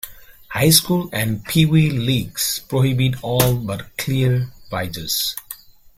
High-school and pee-wee leagues prohibit all but clear visors.